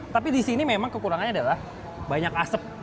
tapi di sini memang kekurangannya adalah banyak asap